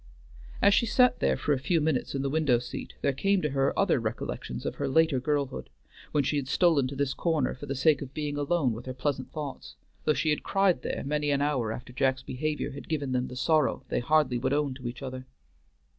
As she sat there for a few minutes in the window seat, there came to her other recollections of her later girlhood, when she had stolen to this corner for the sake of being alone with her pleasant thoughts, though she had cried there many an hour after Jack's behavior had given them the sorrow they hardly would own to each other.